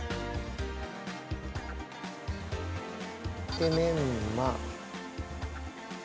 でメンマ。